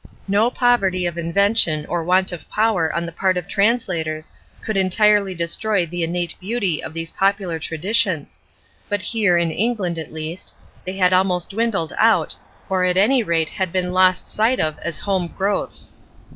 No poverty of invention or want of power on the part of translators could entirely destroy the innate beauty of those popular traditions; but here, in England at least, they had almost dwindled out, or at any rate had been lost sight of as home growths.